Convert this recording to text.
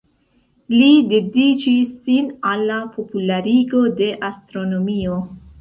Li dediĉis sin al la popularigo de astronomio.